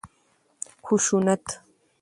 خشونت